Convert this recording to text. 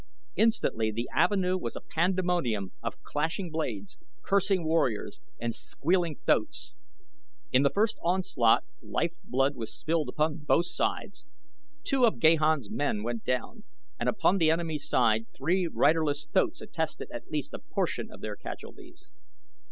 Instantly the avenue was a pandemonium of clashing blades, cursing warriors, and squealing thoats. In the first onslaught life blood was spilled upon both sides. Two of Gahan's men went down, and upon the enemies' side three riderless thoats attested at least a portion of their casualties.